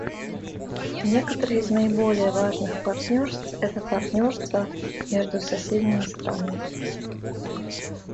Некоторые из наиболее важных партнерств — это партнерства между соседними странами.